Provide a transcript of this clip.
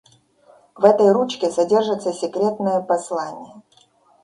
В этой ручке содержится секретное послание.